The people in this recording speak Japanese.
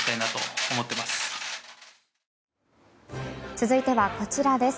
続いてはこちらです。